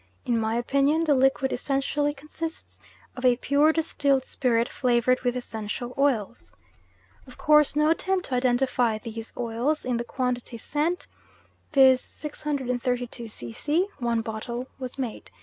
In my opinion the liquid essentially consists of a pure distilled spirit flavoured with essential oils. "Of course no attempt to identify these oils in the quantity sent, viz., 632 c.c. (one bottle) was made.